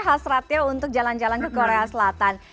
hasratnya untuk jalan jalan ke korea selatan